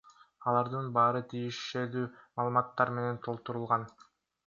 Алардын баары тиешелүү маалыматтар менен толтурулган.